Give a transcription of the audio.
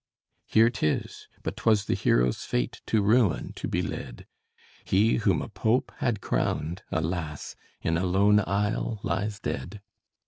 "Here 'tis: but 'twas the hero's fate To ruin to be led; He whom a Pope had crowned, alas! In a lone isle lies dead.